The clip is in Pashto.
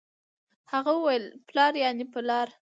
هغه وويل پلار يعنې په لار